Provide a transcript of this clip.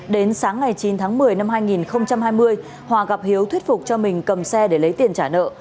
đến sáng ngày chín tháng một mươi năm hai nghìn hai mươi hòa gặp hiếu thuyết phục cho mình cầm xe để lấy tiền trả nợ